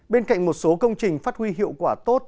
bên cạnh một số công trình phát huy hiệu quả tốt